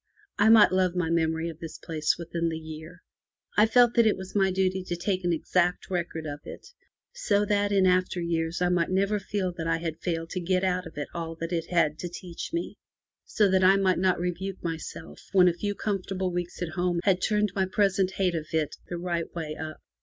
I might love my memory of this place within the year. I felt that it was my duty to take an exact record of it, so that in after years I might never feel that I had failed to get out of it all that it had to teach me; so that I might not rebuke myself when a few comfortable weeks at home had turned my present hate of it the right way up.